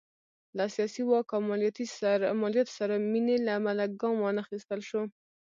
له سیاسي واک او مالیاتو سره مینې له امله ګام وانخیستل شو.